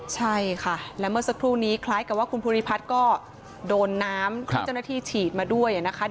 ใช่ค่ะและเมื่อสักครู่นี้คล้ายกับว่าคุณภูริพัฒน์ก็โดนน้ำที่เจ้าหน้าที่ฉีดมาด้วยนะคะ